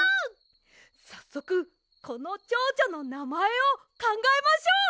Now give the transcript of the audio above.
さっそくこのチョウチョのなまえをかんがえましょう！